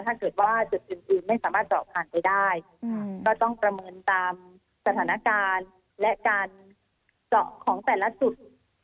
ถ้าเกิดว่าจุดอื่นไม่สามารถเจาะผ่านไปได้ก็ต้องประเมินตามสถานการณ์และการเจาะของแต่ละจุด